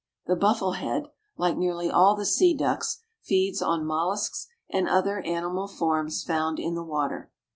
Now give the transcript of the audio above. The Buffle head, like nearly all the sea ducks, feeds on mollusks and other animal forms found in the water.